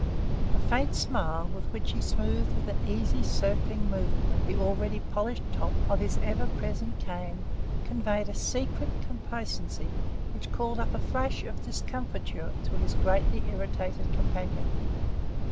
The faint smile with which he smoothed with an easy, circling movement, the already polished top of his ever present cane conveyed a secret complacency which called up a flash of discomfiture to his greatly irritated companion.